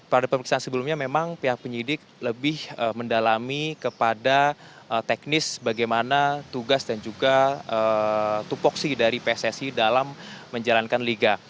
pada pemeriksaan sebelumnya memang pihak penyidik lebih mendalami kepada teknis bagaimana tugas dan juga tupoksi dari pssi dalam menjalankan liga